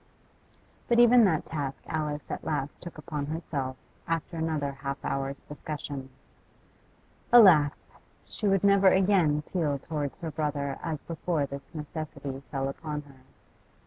But even that task Alice at last took upon herself, after another half hour's discussion. Alas! she would never again feel towards her brother as before this necessity fell upon her.